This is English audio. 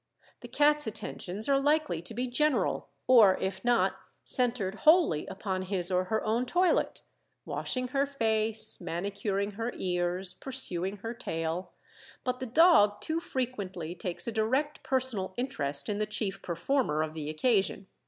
The cat's attentions are likely to be general, or, if not, centered wholly upon his or her own toilet washing her face, manicuring her ears, pursuing her tail but the dog too frequently takes a direct personal interest in the chief performer of the occasion.